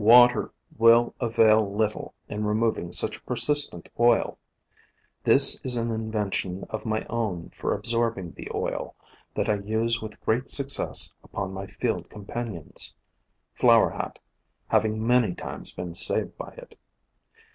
Water will avail little in removing such a persistent oil. This is an invention of my own for absorbing the oil, that I use with great success upon my field companions, Flower Hat 1 66 POISONOUS PLANTS having many times been saved by it.